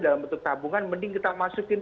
dalam bentuk tabungan mending kita masukin